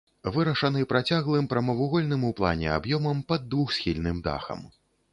Вырашаны працяглым прамавугольным у плане аб'ёмам пад двухсхільным дахам.